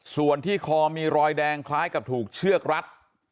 ส่วนที่คอมีรอยแดงคล้ายกับถูกเชือกรัด